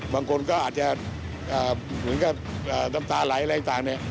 บางคนก็อาจจะเหมือนกับน้ำตาไหลอะไรต่างเนี่ย